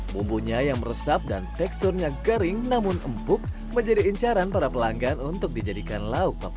bumbunya yang meresap dan teksturnya kering namun empuk menjadi incaran para pelanggan untuk dijadikan lauk